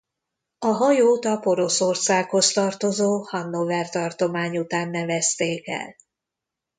A hajót a Poroszországhoz tartozó Hannover tartomány után nevezték el.